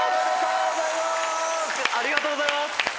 ありがとうございます！